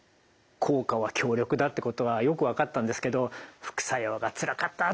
効果は強力だってことはよく分かったんですけど副作用がつらかったっていうお話ありました。